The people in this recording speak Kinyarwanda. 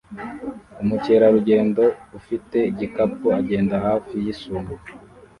Umukerarugendo ufite igikapu agenda hafi yisumo